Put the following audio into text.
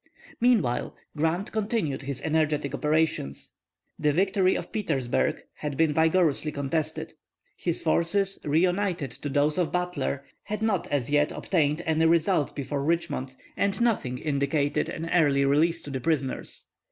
Meanwhile, Grant continued his energetic operations. The victory of Petersburg had been vigorously contested. His forces, reunited to those of Butler, had not as yet obtained any result before Richmond, and nothing indicated an early release to the prisoners.